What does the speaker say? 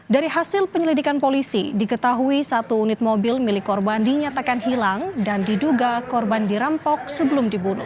dari hasil penyelidikan polisi diketahui satu unit mobil milik korban dinyatakan hilang dan diduga korban dirampok sebelum dibunuh